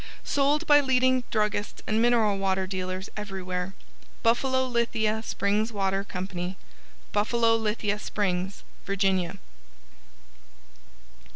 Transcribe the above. Sold by leading druggists and mineral water dealers everywhere. BUFFALO LITHIA SPRINGS WATER CO. Buffalo Lithia Springs, Va.